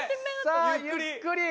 さあゆっくり。